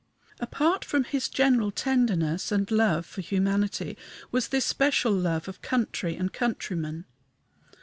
Apart from his general tenderness and love for humanity was this special love of country and countrymen.